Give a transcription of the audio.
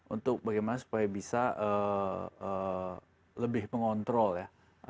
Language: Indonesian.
untuk bagaimana supaya bisa lebih mengontrol ya